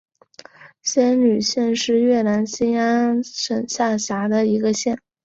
仙侣县是越南兴安省下辖的一个县。